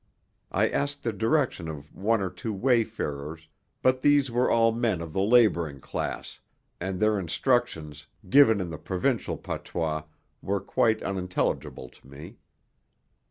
I asked the direction of one or two wayfarers, but these were all men of the labouring class, and their instructions, given in the provincial patois, were quite unintelligible to me.